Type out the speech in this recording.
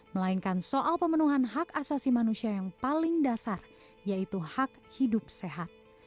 melainkan soal pemenuhan hak asasi manusia yang paling dasar yaitu hak hidup sehat